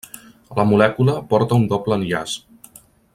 La molècula porta un doble enllaç.